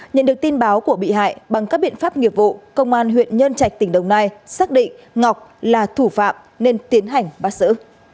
nhận được tin báo của bị hại bằng các biện pháp nghiệp vụ công an huyện nhân trạch tỉnh đồng nai xác định ngọc là thủ phạm nên tiến hành bắt xử